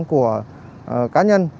của cá nhân